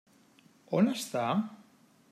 On està?